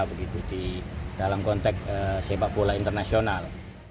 begitu di dalam konteks sepak bola internasional